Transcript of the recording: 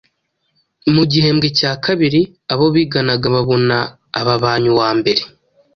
Mu gihembwe cya kabiri, abo biganaga babona ababanye uwa mbere.